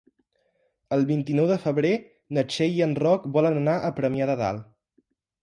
El vint-i-nou de febrer na Txell i en Roc volen anar a Premià de Dalt.